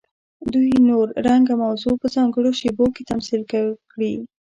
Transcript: دوی نور، رنګ او موضوع په ځانګړو شیبو کې تمثیل کړي.